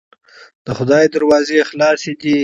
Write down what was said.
د خدای دروازې خلاصې دي.